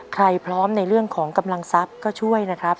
พร้อมในเรื่องของกำลังทรัพย์ก็ช่วยนะครับ